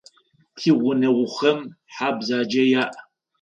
Тигъунэгъухэм хьэ бзэджэ яӏ.